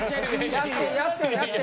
やってやって！